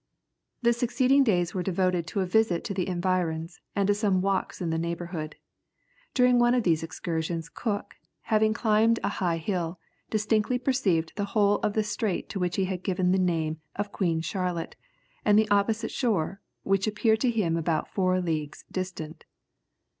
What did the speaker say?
The succeeding days were devoted to a visit to the environs, and to some walks in the neighbourhood. During one of these excursions Cook, having climbed a high hill, distinctly perceived the whole of the strait to which he had given the name of Queen Charlotte, and the opposite shore, which appeared to him about four leagues distant.